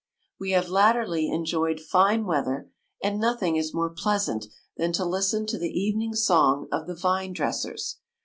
We have latterly enjoyed fine wea ther, and nothing is more pleasant than to listen to the evening song of the vine dressers.